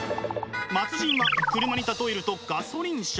末人は車に例えるとガソリン車。